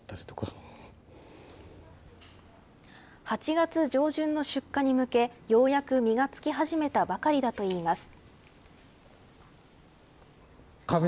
８月上旬の出荷に向けようやく実がつき始めたばかりだといいます。